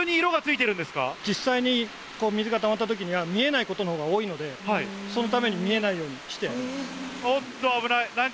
実際に水がたまった時には見えないことのほうが多いのでそのために見えないようにしてあります。